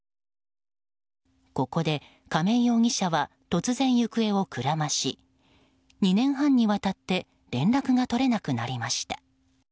ここで亀井容疑者は突然、行方をくらまし２年半にわたって連絡が取れなくなりました。